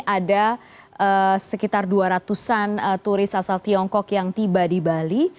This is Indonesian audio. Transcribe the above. ada sekitar dua ratus an turis asal tiongkok yang tiba di bali